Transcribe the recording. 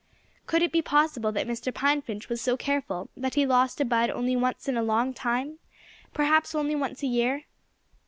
Could it be possible that Mr. Pine Finch was so careful that he lost a bud only once in a long time perhaps only once a year?